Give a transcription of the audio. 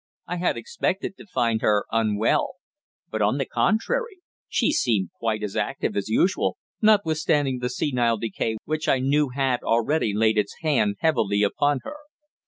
I had expected to find her unwell; but, on the contrary, she seemed quite as active as usual, notwithstanding the senile decay which I knew had already laid its hand heavily upon her.